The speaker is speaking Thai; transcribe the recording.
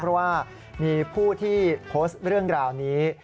เพราะว่ามีผู้ที่โพสต์เรื่องราวนี้